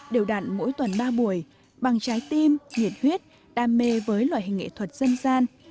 đều đặn mỗi tuần ba buổi bằng trái tim nhiệt huyết đam mê với loại hình nghệ thuật dân gian